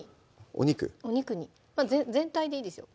お肉にまぁ全体でいいですよ